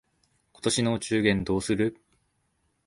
今年のお中元どうする？